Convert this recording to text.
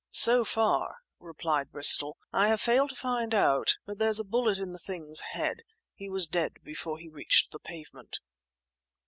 "So far," replied Bristol, "I have failed to find out; but there's a bullet in the thing's head. He was dead before he reached the pavement."